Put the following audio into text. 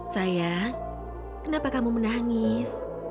sayang kenapa kamu menangis